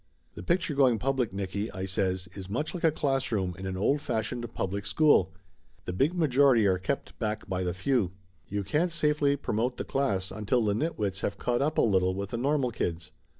"The picture going public, Nicky," I says, "is much like a classroom in an old fashioned public school. The big majority are kept back by the few. You can't 292 Laughter Limited safely promote the class until the nitwits have caught up a little with the normal kids."